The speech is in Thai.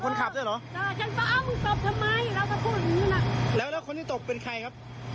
คนในหมู่บ้านนี้แหละ